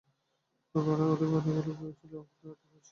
ওরই বাণীলোকে ছিল আমার আদি বসতি।